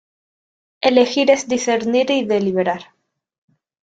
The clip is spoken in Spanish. Elegir es discernir y deliberar.